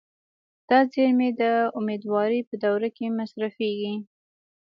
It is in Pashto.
دا زیرمې د امیدوارۍ په دوره کې مصرفېږي.